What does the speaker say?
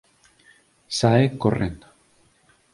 Sae correndo.